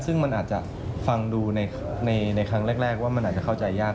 ซึ่งมันอาจจะฟังดูในครั้งแรกว่ามันอาจจะเข้าใจยาก